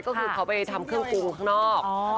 ก็คือเขาไปทำเครื่องปรุงข้างนอก